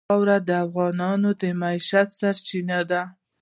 خاوره د افغانانو د معیشت سرچینه ده.